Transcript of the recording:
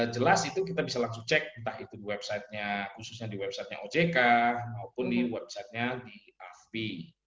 jelas itu kita bisa langsung cek entah itu di website nya ojk maupun di website nya afpi